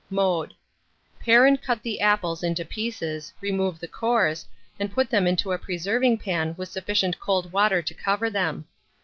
Mode. Pare and cut the apples into pieces, remove the cores, and put them in a preserving pan with sufficient cold water to cover them.